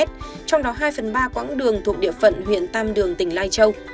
trong đó hai phần ba quãng đường thuộc địa phận huyện tam đường tỉnh lai châu